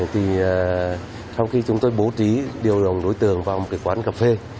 thì sau khi chúng tôi bố trí điều động đối tượng vào một cái quán cà phê